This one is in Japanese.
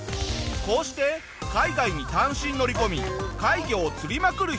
こうして海外に単身乗り込み怪魚を釣りまくる